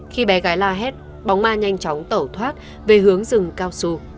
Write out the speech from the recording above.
khi bé gái la hét bóng ma nhanh chóng tẩu thoát về hướng rừng cao su